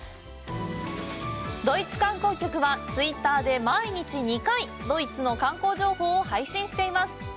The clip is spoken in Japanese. ドイツ観光局は、ツイッターで毎日２回ドイツの観光情報を配信しています。